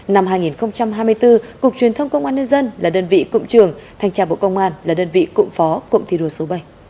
năm hai nghìn hai mươi bốn cục truyền thông công an nhân dân là đơn vị cụm trường thanh tra bộ công an là đơn vị cụm phó cụm thi đua số bảy